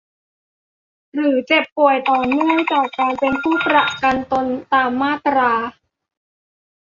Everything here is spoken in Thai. หรือเจ็บป่วยต่อเนื่องจากการเป็นผู้ประกันตนตามมาตรา